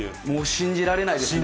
信じられないですよね。